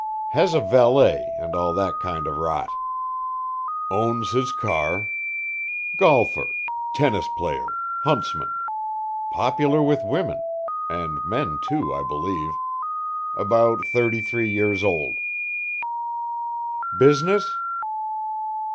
Has a valet, and all that kind of rot. Owns his car. Golfer tennis player huntsman. Popular with women and men, too, I believe. About thirty three years old." "Business?"